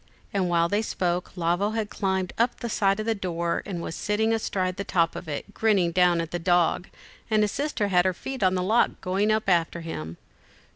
and while they spoke, Lavo had climbed up the side of the door, and was sitting astride on the top of it, grinning down at the dog, and his sister had her feet on the lock, going up after him.